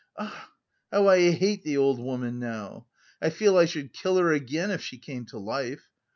"Ah, how I hate the old woman now! I feel I should kill her again if she came to life!